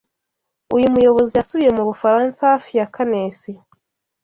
uyu muyobozi yasubiye mu Bufaransa hafi ya Canesi